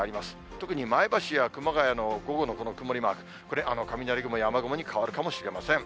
特に前橋や熊谷の午後のこの曇りマーク、これ、雷雲や雨雲に変わるかもしれません。